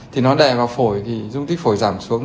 thì nó đè vào phổi thì dung tích phổi giảm xuống